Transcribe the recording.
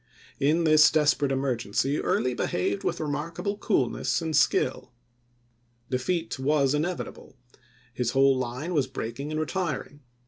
In this desperate emergency Early behaved with remarkable coolness and skill. Defeat was inevi table; his whole line was breaking and retiring.